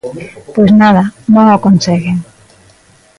Pois nada, non o conseguen.